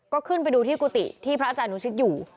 ก็ขึ้นไปดูที่กุฏิที่พระอาจารย์นุชิตอยู่